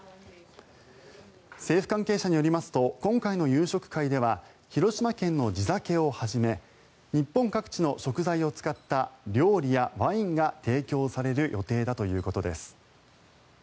政府関係者によりますと今回の夕食会では広島県の地酒をはじめ日本各地の食材を使った料理やワインが提供される予定だということです。